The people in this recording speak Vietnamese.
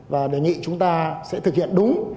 và đề nghị chúng ta sẽ thực hiện đúng